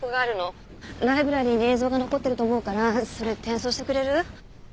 ライブラリーに映像が残ってると思うからそれ転送してくれる？